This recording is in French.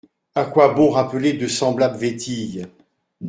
À quoi bon rappeler de semblables vétilles ?